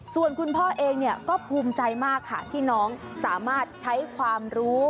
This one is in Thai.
ส่วนคุณพ่อเองก็ภูมิใจมากค่ะที่น้องสามารถใช้ความรู้